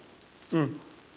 うん。